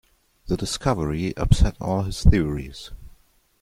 The discovery upset all his theories.